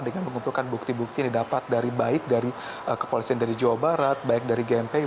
dengan mengumpulkan bukti bukti yang didapat dari baik dari kepolisian dari jawa barat baik dari gmp